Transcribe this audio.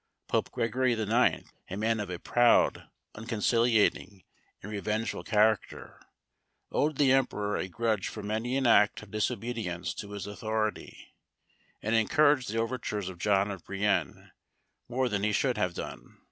Pope Gregory IX., a man of a proud, unconciliating, and revengeful character, owed the emperor a grudge for many an act of disobedience to his authority, and encouraged the overtures of John of Brienne more than he should have done.